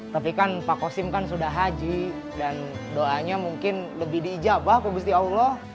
tapi kan pak kosim kan sudah haji dan doanya mungkin lebih diijabah fokus di allah